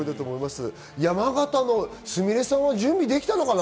山形のすみれさんは準備できたのかな？